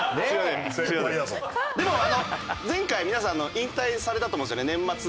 でも前回皆さん引退されたと思うんですよね年末。